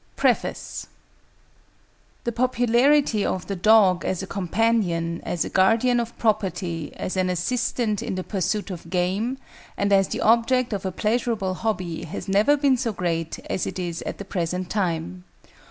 ] PREFACE The popularity of the dog as a companion, as a guardian of property, as an assistant in the pursuit of game, and as the object of a pleasurable hobby, has never been so great as it is at the present time.